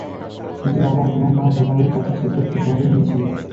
কিন্তু বাবা, তোমার মা ভোপালের কাছে ছোট্ট একটি শহরের মেয়ে ছিলো।